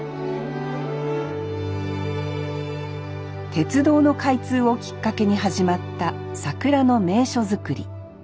鉄道の開通をきっかけに始まった桜の名所作り。